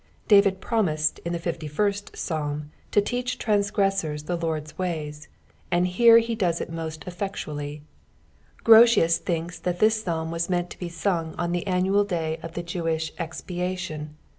Daeid promised in Iht fifttffirsl Psalm to teach transgresaors the Lord^a iMya, and here he does it rnosf fffeduaUy, trrotius thijiks that this Psabn aas meant to he sung on Ihe aramal day qf Ihe Jewish etpia lion.